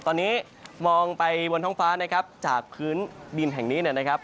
ตอนนี้มองไปบนท้องฟ้านะครับจากพื้นดินแห่งนี้นะครับ